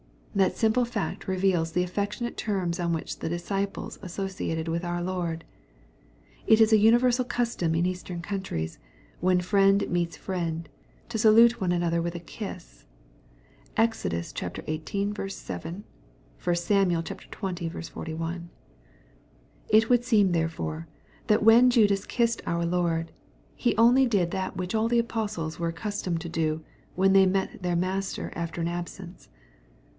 That simple fact reveals the affectionate terms on which the disciples associated with our Lord.C It is an universal custom in Eastern countries, when friend meets friend, to salute one another with a kiss. (Exod. xviii. 7 ; 1 Sam. xx. 41.) (It would seem therefore, that when Judas kissed our Lord, he only did that which all the apostles were accustomed to do, when they met their Master after an absence.